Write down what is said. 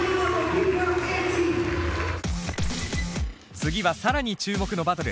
次は更に注目のバトル。